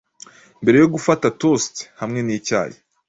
Mbere yo gufata toast hamwe nicyayi